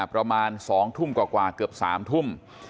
ประมาณ๒ทุ่มกว่าเกือบ๓ทุ่ม